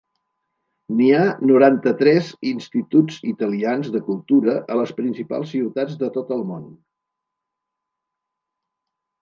N'hi ha noranta-tres Instituts Italians de Cultura a les principals ciutats de tot el món.